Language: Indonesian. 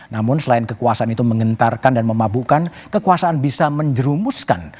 namun selain kekuasaan itu mengentarkan dan memabukkan kekuasaan bisa menjerumuskan